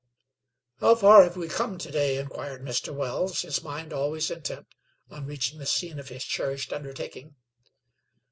"How far have we come to day?" inquired Mr. Wells, his mind always intent on reaching the scene of his cherished undertaking.